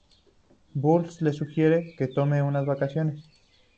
Burns le sugiere que tome unas vacaciones.